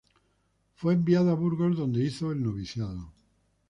Fue enviado a Burgos, donde hizo el noviciado.